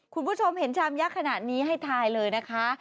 คุณผู้ชมเห็นชามยักษ์ขนาดนี้ให้ทายเลยนะคะ